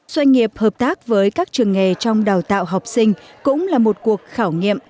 doanh nghiệp hợp tác với các trường nghề trong đào tạo học sinh cũng là một cuộc khảo nghiệm